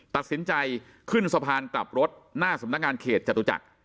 ตัดสินใจขึ้นสะพานกลับรถหน้าสำนักงานเขตจตุจักร